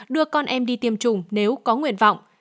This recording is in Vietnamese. đưa con em đi tiêm chủng nếu có nguyện vọng